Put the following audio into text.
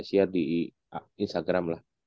share di instagram lah